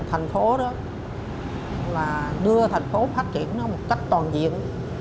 thành phố đó là đưa thành phố phát triển một cách toàn diện